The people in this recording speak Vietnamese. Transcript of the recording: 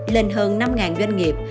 lên hơn năm doanh nghiệp